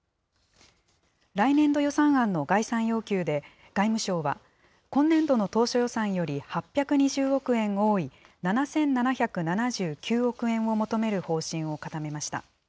来年度予算案の概算要求で外務省は、今年度の当初予算より８２０億円多い７７７９億円を求める方針を固めました。